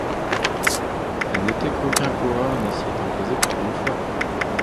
À noter qu'aucun coureur ne s'y est imposé plus d'une fois.